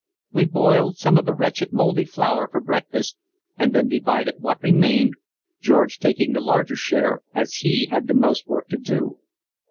We boiled some of the wretched mouldy flour for breakfast, and then divided what remained, George taking the larger share, as he had the most work to do.